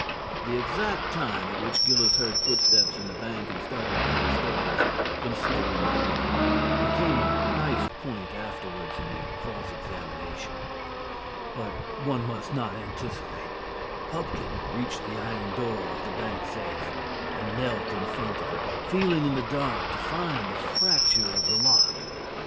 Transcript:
The exact time at which Gillis heard footsteps in the bank and started downstairs, pistol in hand, became a nice point afterwards in the cross examination. But one must not anticipate. Pupkin reached the iron door of the bank safe, and knelt in front of it, feeling in the dark to find the fracture of the lock.